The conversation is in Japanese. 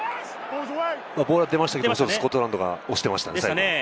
ボールは出ましたけれども、スコットランドが押してましたね。